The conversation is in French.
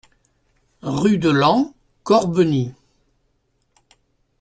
Rue de Laon, Corbeny